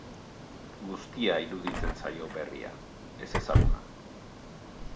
Guztia iruditzen zaio berria, ezezaguna.